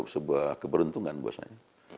sebuah keberuntungan buat saya